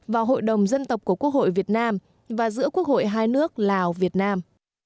vào hội đồng dân tộc của quốc hội việt nam và giữa quốc hội hai nước lào việt nam